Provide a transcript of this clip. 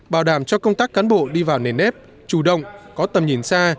bảo đảm cho công tác cán bộ đi vào nền nếp chủ động có tầm nhìn xa